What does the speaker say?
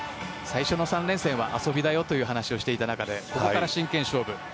最初の３連戦は遊びだよという話をしていた中でここから真剣勝負。